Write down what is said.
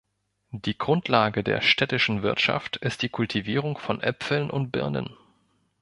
Die Grundlage der städtischen Wirtschaft ist die Kultivierung von Äpfeln und Birnen.